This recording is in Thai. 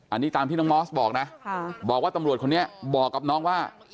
อันนี้ตามที่น้องมอสบอกนะบอกว่าตำรวจคนนี้บอกกับน้องว่า